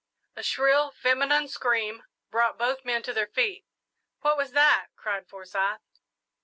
A shrill feminine scream brought both men to their feet. "What was that?" cried Forsyth.